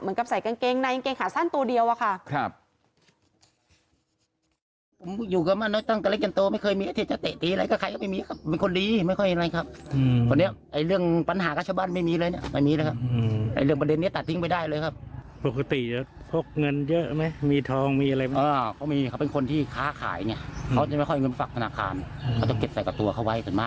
ใส่กางเกงในกางเกงขาสั้นตัวเดียวอะค่ะ